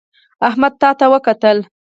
احمد تا ته وکتل